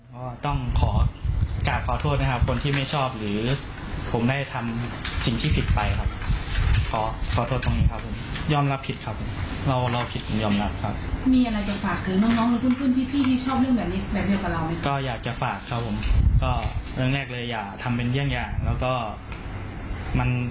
มันคงชอบมันไม่อยากให้ทำตาม